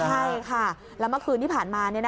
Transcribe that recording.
ใช่ค่ะแล้วเมื่อคืนที่ผ่านมา